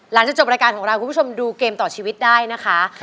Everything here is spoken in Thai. หลังจากจบรายการของเราคุณผู้ชมดูเกมต่อชีวิตได้นะคะ